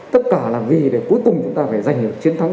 tất cả là vì để cuối cùng chúng ta phải giành được chiến thắng